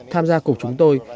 tham gia cuộc chúng tôi